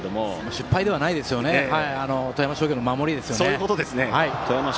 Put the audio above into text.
失敗ではないですよね富山商業の守りですよね。